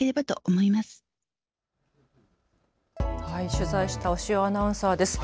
取材した押尾アナウンサーです。